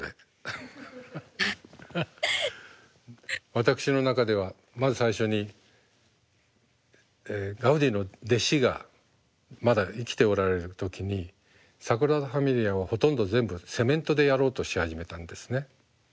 私の中ではまず最初にガウディの弟子がまだ生きておられる時にサグラダ・ファミリアをほとんど全部セメントでやろうとし始めたんですね。